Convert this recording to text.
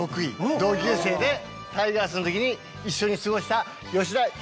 同級生でタイガースのときに一緒に過ごした吉田浩。